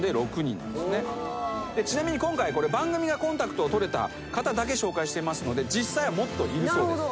ちなみに今回番組がコンタクトを取れた方だけ紹介してますので実際はもっといるそうです。